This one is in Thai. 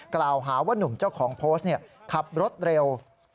กล่าวหาว่านุ่มเจ้าของโพสต์ขับรถเร็ว